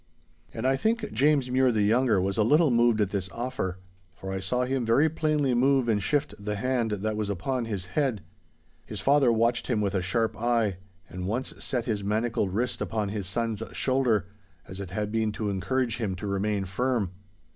And I think James Mure the younger was a little moved at this offer, for I saw him very plainly move and shift the hand that was upon his head. His father watched him with a sharp eye, and once set his manacled wrist upon his son's shoulder, as it had been to encourage him to remain firm.